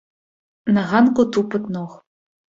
На ганку тупат ног.